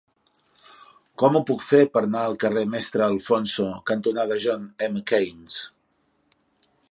Com ho puc fer per anar al carrer Mestre Alfonso cantonada John M. Keynes?